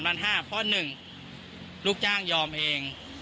เพราะ๑ลูกจ้างยอมเอง